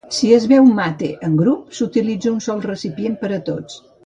Si es beu mate en grup, s'utilitza un sol recipient per a tots.